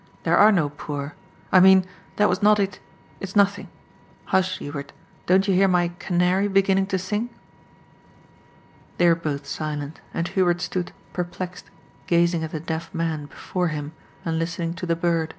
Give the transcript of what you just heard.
" There are no poor. I mean that was not it. It's nothing. Hush, Hubert, don't you hear my canary beginning to sing?" They were both silent, and Hubert stood, perplexed, gazing at the deaf man before him and listening to the bird.